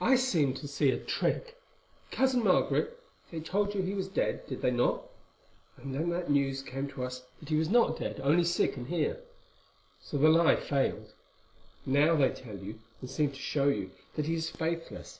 "I seem to see a trick. Cousin Margaret, they told you he was dead, did they not? And then that news came to us that he was not dead, only sick, and here. So the lie failed. Now they tell you, and seem to show you, that he is faithless.